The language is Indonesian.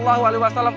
rauh mat coworkan